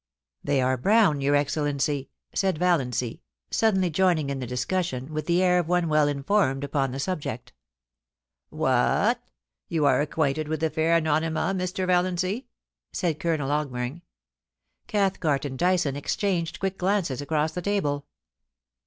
' They are brown, your Excellency,' said Valiancy, suddenly joining in the discussion, with the air of one well informed upon the subject ' What ! you are acquainted with the fair Anonyma, Mr, Valiancy?' said Colonel Augmering. Cathcart and Dyson exchanged quick glances across the table.